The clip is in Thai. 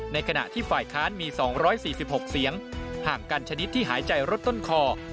ในขณะที่ฝ่ายค้านมี๒๔๖เสียงห่างกันชนิดที่หายใจรถต้นคอ